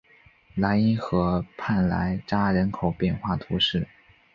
莱兹河畔莱扎人口变化图示